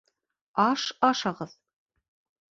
Аш ашағыҙ!